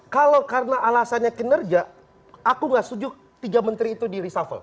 kalau karena alasannya kinerja aku gak setuju tiga menteri itu di reshuffle